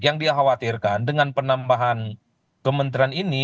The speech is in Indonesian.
yang dikhawatirkan dengan penambahan kementerian ini